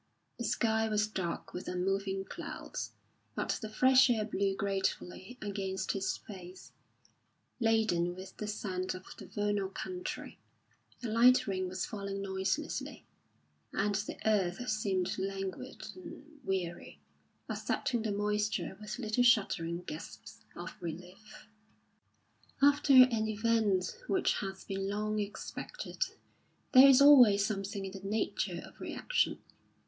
The sky was dark with unmoving clouds, but the fresh air blew gratefully against his face, laden with the scent of the vernal country; a light rain was falling noiselessly, and the earth seemed languid and weary, accepting the moisture with little shuddering gasps of relief. After an event which has been long expected, there is always something in the nature of reaction.